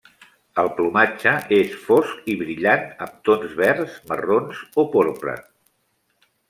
El plomatge és fosc i brillant amb tons verds, marrons o porpra.